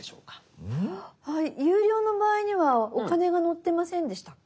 有料の場合にはお金が載ってませんでしたっけ？